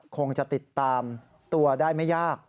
คงจะติดตามตัวได้ไม่ยาก